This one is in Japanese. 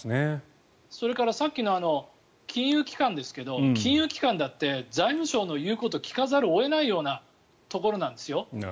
それからさっきの金融機関ですけど金融機関だって財務省の言うことを聞かざるを得ないようなところなんですよ。